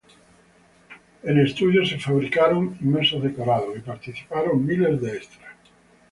En estudio, se fabricaron inmensos decorados y participaron miles de extras.